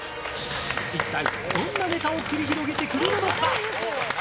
一体どんなネタを繰り広げてくれるのか？